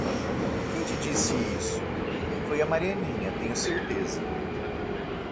Quem te disse isso? Foi a Marianinha, tenho certeza.